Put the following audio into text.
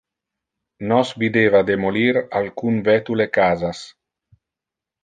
Nos videva demolir alcun vetule casas.